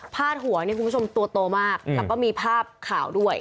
หัวนี่คุณผู้ชมตัวโตมากแล้วก็มีภาพข่าวด้วย